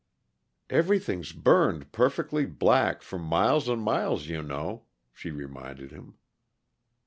"Everything's burned perfectly black for miles and miles, you know," she reminded him.